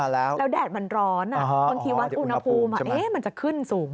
แล้วแดดมันร้อนบางทีวัดอุณหภูมิมันจะขึ้นสูง